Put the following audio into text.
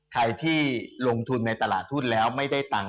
ใครที่ลงทุนในตลาดทุนแล้วไม่ได้ตังค์